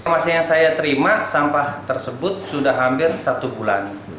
masanya saya terima sampah tersebut sudah hampir satu bulan